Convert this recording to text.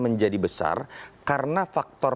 menjadi besar karena faktor